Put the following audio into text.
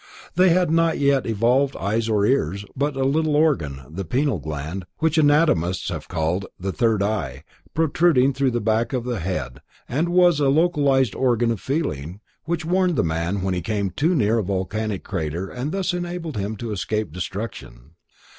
They had not yet evolved eyes or ears, but a little organ: the pineal gland, which anatomists have called the third eye, protruded through the back of the head and was a localised organ of feeling, which warned the man when he came too near a volcanic crater and thus enabled him to escape destruction.